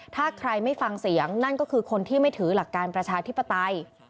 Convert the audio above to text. ถ้าใครไม่ฟังเสียงนั่นก็คือคนที่ไม่ถือหลักการประชาธิปไตย